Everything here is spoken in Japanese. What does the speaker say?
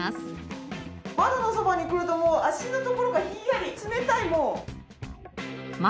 窓のそばに来ると足のところがひんやり冷たいもう。